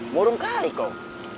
murung kali kok